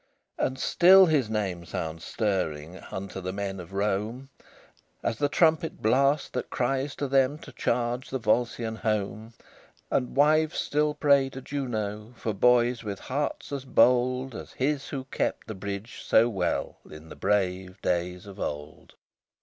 LXVII And still his name sounds stirring Unto the men of Rome, As the trumpet blast that cries to them To charge the Volscian home; And wives still pray to Juno For boys with hearts as bold As his who kept the bridge so well In the brave days of old.